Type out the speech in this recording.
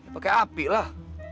pake api lah